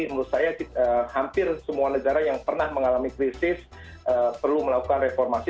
menurut saya hampir semua negara yang pernah mengalami krisis perlu melakukan reformasi